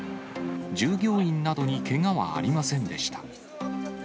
従業員などにけがはありませんでした。